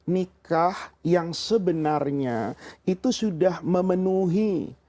nikah yang sebenarnya itu sudah memenuhi